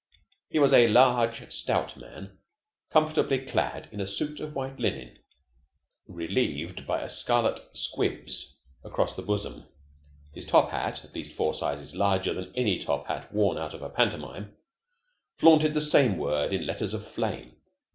He was a large, stout man, comfortably clad in a suit of white linen, relieved by a scarlet 'Squibs' across the bosom. His top hat, at least four sizes larger than any top hat worn out of a pantomime, flaunted the same word in letters of flame.